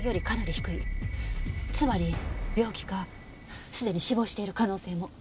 つまり病気かすでに死亡している可能性も。